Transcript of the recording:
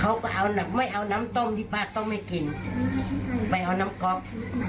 เขาก็เอาไม่เอาน้ำต้มที่ป้าต้องไม่กินไปเอาน้ำก๊อก